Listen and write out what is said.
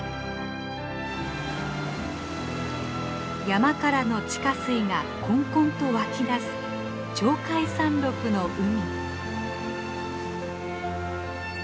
山からの地下水がこんこんと湧き出す鳥海山ろくの海。